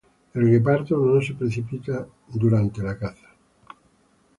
El guepardo no se precipita durante la caza.